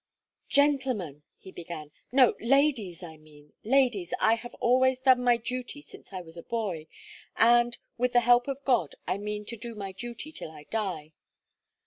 "Gentlemen," he began, "no, ladies, I mean ladies, I have always done my duty since I was a boy, and, with the help of God, I mean to do my duty till I die."